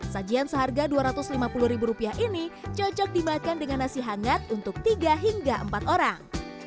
sajian seharga dua ratus lima puluh ribu rupiah ini cocok dimakan dengan nasi hangat untuk tiga hingga empat orang